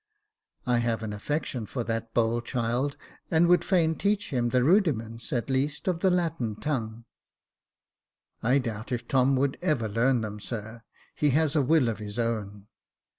I have an affection for that bold child, and would fain teach him the rudiments, at least, of the Latin tongue." I doubt if Tom would ever learn them, sir. He has a will of his own."